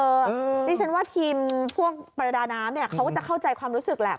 นี่ฉันว่าทีมพวกประดาน้ำเนี่ยเขาก็จะเข้าใจความรู้สึกแหละ